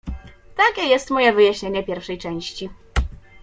"Takie jest moje wyjaśnienie pierwszej części."